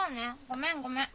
ごめんごめん。